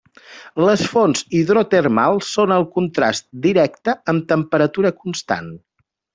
Les fonts hidrotermals són el contrast directe amb temperatura constant.